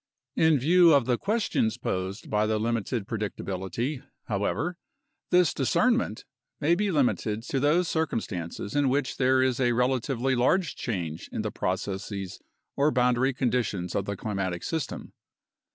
In view of the questions posed by limited predictability, however, this discern ment may be limited to those circumstances in which there is a relatively large change in the processes or boundary conditions of the climatic system.